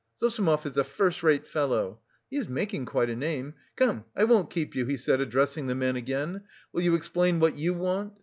Zossimov is a first rate fellow! He is making quite a name. Come, I won't keep you," he said, addressing the man again. "Will you explain what you want?